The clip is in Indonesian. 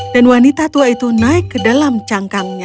dan wanita tua itu naik ke dalam cangkangnya